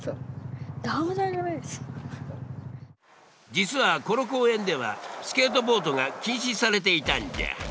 実はこの公園ではスケートボードが禁止されていたんじゃ。